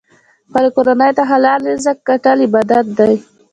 خپلې کورنۍ ته حلال رزق ګټل عبادت دی.